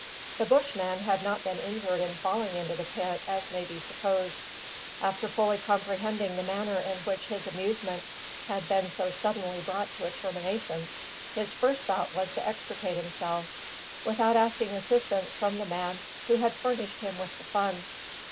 The Bushman had not been injured in falling into the pit, as may be supposed. After fully comprehending the manner in which his amusement had been so suddenly brought to a termination, his first thought was to extricate himself, without asking assistance from the man who had furnished him with the fun.